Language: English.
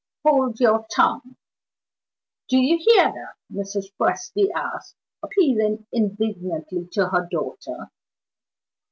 "Hold your tongue!" "Do you hear that?" Mrs. Presty asked, appealing indignantly to her daughter.